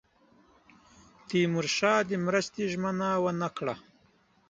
تیمورشاه د مرستې ژمنه ونه کړه.